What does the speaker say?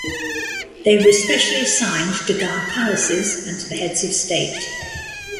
They were especially assigned to guard palaces and the heads of state.